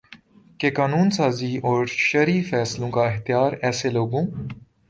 کہ قانون سازی اور شرعی فیصلوں کا اختیار ایسے لوگوں